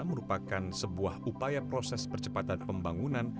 merupakan sebuah upaya proses percepatan pembangunan